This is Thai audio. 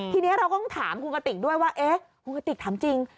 ทีนี้เราก็ต้องถามคุณกติกด้วยว่าเอ๊ะคุณกติกถามจริง